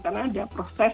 karena ada proses